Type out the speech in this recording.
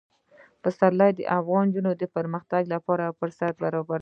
پسرلی د افغان نجونو د پرمختګ لپاره فرصتونه برابروي.